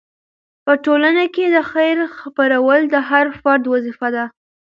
په ټولنه کې د خیر خپرول د هر فرد وظیفه ده.